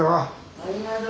ありがとう。